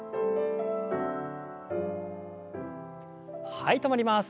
はい止まります。